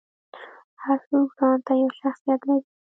هر څوک ځانته یو شخصیت لري.